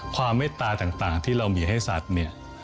เมตตาต่างที่เรามีให้สัตว์เนี่ย